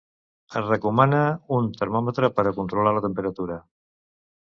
Es recomana un termòmetre per a controlar la temperatura.